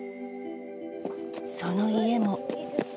その家も。